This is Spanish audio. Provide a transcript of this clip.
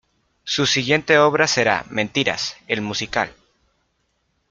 Su siguiente obra será "Mentiras, el musical".